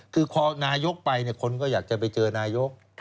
คือนายกไปคนมีอยากไปเจอนายก